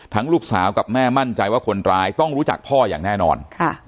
ลูกสาวกับแม่มั่นใจว่าคนร้ายต้องรู้จักพ่ออย่างแน่นอน